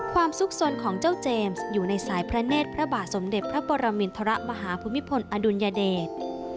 ซุกสนของเจ้าเจมส์อยู่ในสายพระเนธพระบาทสมเด็จพระปรมินทรมาฮภูมิพลอดุลยเดช